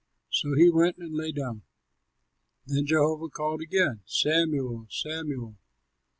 So he went and lay down. Then Jehovah called again, "Samuel! Samuel!"